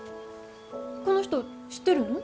この人知ってるの？